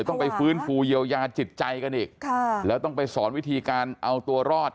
ต้องไปฟื้นฟูเยียวยาจิตใจกันอีกค่ะแล้วต้องไปสอนวิธีการเอาตัวรอด